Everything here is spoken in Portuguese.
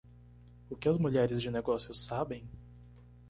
O que as mulheres de negócios sabem?